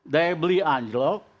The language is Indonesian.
daya beli anjlok